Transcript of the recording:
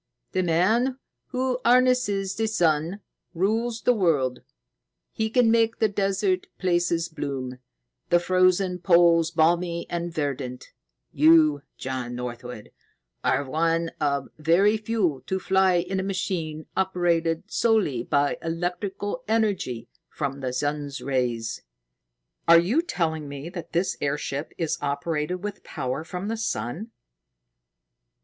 "The man who harnesses the sun rules the world. He can make the desert places bloom, the frozen poles balmy and verdant. You, John Northwood, are one of the very few to fly in a machine operated solely by electrical energy from the sun's rays." "Are you telling me that this airship is operated with power from the sun?"